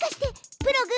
プログ！